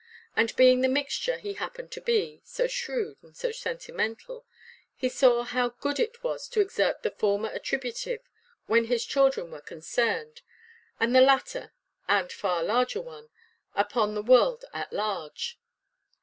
And being the mixture he happened to be—so shrewd, and so sentimental—he saw how good it was to exert the former attributive, when his children were concerned; and the latter, and far larger one, upon the world at large.